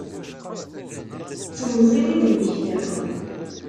D temẓi-w i d-mmektiɣ.